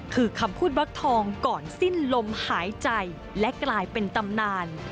คือคำพูดวัดทองก่อนสิ้นลมหายใจและกลายเป็นตำนาน